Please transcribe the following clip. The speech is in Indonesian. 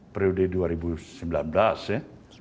periode dua ribu sembilan belas ya